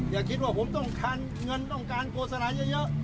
อย่าคิดว่าผมต้องการเงินต้องการโฆษณาเยอะ